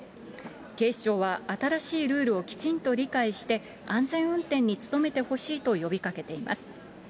警視庁は、新しいルールをきちんと理解して、安全運転に努めてほしいと呼びかけています。